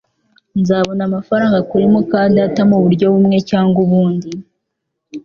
Nzabona amafaranga kuri muka data muburyo bumwe cyangwa ubundi